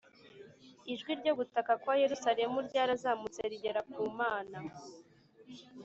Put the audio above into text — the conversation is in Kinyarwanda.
ijwi ryo gutaka kwa Yerusalemu ryarazamutse rigera ku mana